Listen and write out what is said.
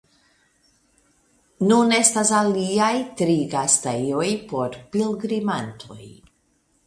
Nun estas aliaj tri gastejoj por pilgrimantoj.